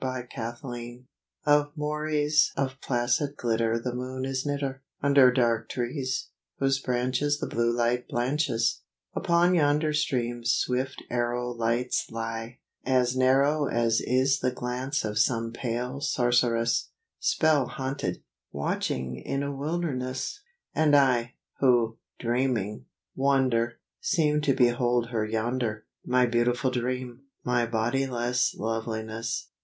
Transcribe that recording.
THE BEAUTIFUL I Of moires of placid glitter The moon is knitter, Under dark trees, whose branches The blue night blanches: Upon yon stream's swift arrow Lights lie, as narrow As is the glance of some pale sorceress, Spell haunted, watching in a wilderness. And I, who, dreaming, wander, Seem to behold her yonder, My beautiful dream, my bodiless loveliness.